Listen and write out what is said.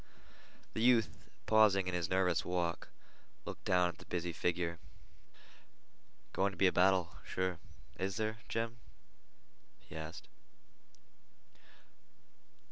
The youth, pausing in his nervous walk, looked down at the busy figure. "Going to be a battle, sure, is there, Jim?" he asked.